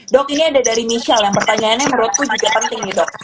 dok ini ada dari michelle yang pertanyaannya menurutku masih penting nih dok